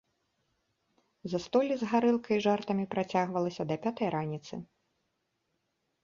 Застолле з гарэлкай і жартамі працягвалася да пятай раніцы.